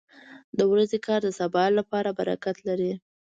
• د ورځې کار د سبا لپاره برکت لري.